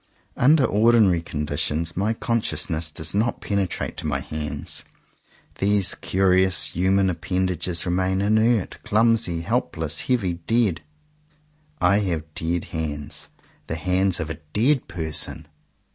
Under ordinary conditions my conscious ness does not penetrate to my hands. These curious human appendages remain inert, clumsy, helpless, heavy, dead. I have dead hands — the hands of a dead person!